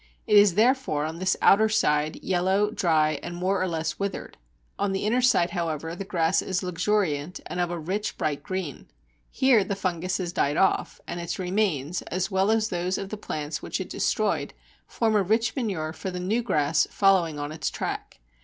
It is therefore on this outer side yellow, dry, and more or less withered. On the inner side, however, the grass is luxuriant and of a rich bright green. Here the fungus has died off, and its remains, as well as those of the plants which it destroyed, form a rich manure for the new grass following on its track.